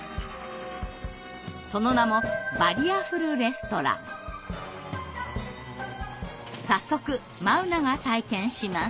その名も早速眞生が体験します。